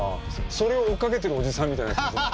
それを追っかけてるおじさんみたいな。